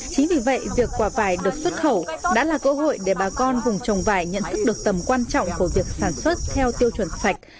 chính vì vậy việc quả vải được xuất khẩu đã là cơ hội để bà con vùng trồng vải nhận thức được tầm quan trọng của việc sản xuất theo tiêu chuẩn sạch